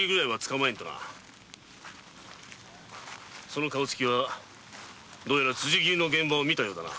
その顔つきを見ると辻切りの現場を見たようだな。